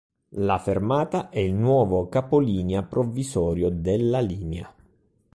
La fermata è il nuovo capolinea provvisorio della linea.